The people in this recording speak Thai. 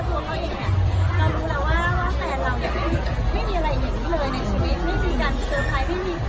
เรารู้แล้วว่าแฟนเราไม่มีอะไรอย่างนี้เลยในชีวิต